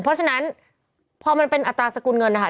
เพราะฉะนั้นพอมันเป็นอัตราสกุลเงินนะคะ